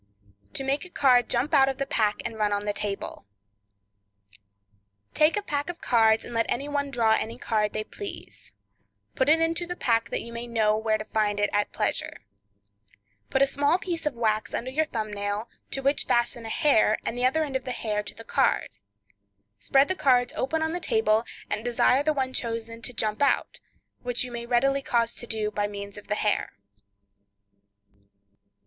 To Make a Card Jump Out of the Pack and Run on the Table.—Take a pack of cards, and let any one draw any card they please; put it into the pack, so that you may know where to find it at pleasure. Put a small piece of wax under your thumb nail, to which fasten a hair, and the other end of the hair to the card; spread the cards open on the table, and desire the one chosen to jump out, which you may readily cause to do by means of the hair.